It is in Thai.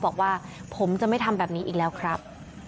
บอกว่าผมจะไม่ทำแบบนี้อีกแล้วครับ